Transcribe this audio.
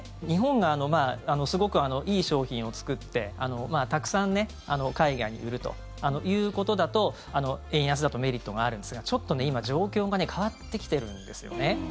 日本がすごくいい商品を作ってたくさん海外に売るということだと円安だとメリットがあるんですがちょっと今、状況が変わってきてるんですよね。